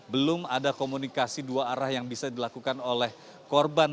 belum ada komunikasi dua arah yang bisa dilakukan oleh korban